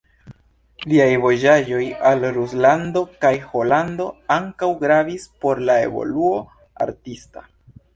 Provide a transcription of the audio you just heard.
Liaj vojaĝoj al Ruslando kaj Holando ankaŭ gravis por la evoluo artista.